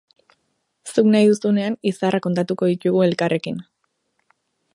Zuk nahi duzunean izarrak kontatuko ditugu elkarrekin.